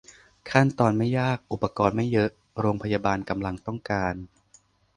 "ขั้นตอนไม่ยาก - อุปกรณ์ไม่เยอะ" โรงพยาบาลกำลังต้องการ